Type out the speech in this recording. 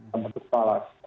dalam bentuk salat